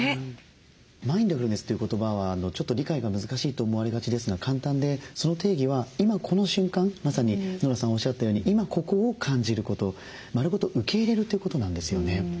マインドフルネスという言葉はちょっと理解が難しいと思われがちですが簡単でその定義は今この瞬間まさにノラさんおっしゃったように今ここを感じること丸ごと受け入れるということなんですよね。